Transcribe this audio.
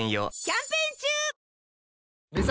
キャンペーン中！